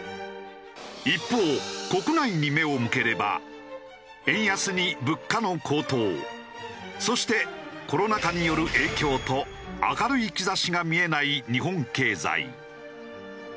一方国内に目を向ければ円安に物価の高騰そしてコロナ禍による影響と明るい兆しが見えない日本経済。